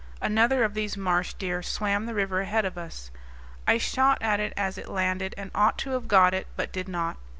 Another of these marsh deer swam the river ahead of us; I shot at it as it landed, and ought to have got it, but did not.